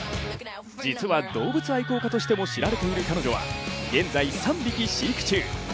実は動物愛好家としても知られている彼女は現在、３匹飼育中。